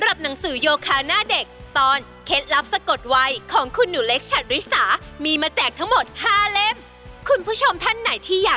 แล้วก็ยกมาให้